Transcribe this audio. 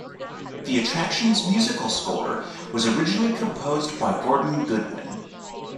The attraction's musical score was originally composed by Gordon Goodwin.